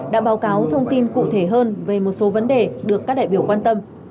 đã báo cáo thông tin cụ thể hơn về một số vấn đề được các đại biểu quan tâm